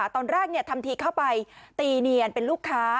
ตอนแรกทำทีเข้าไปตีเนียนเป็นลูกค้า